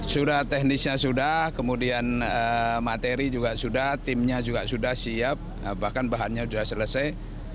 sudah teknisnya sudah kemudian materi juga sudah timnya juga sudah siap bahkan bahannya sudah selesai